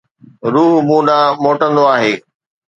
روح مون ڏانهن موٽندو آهي.